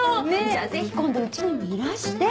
じゃあぜひ今度家にもいらして！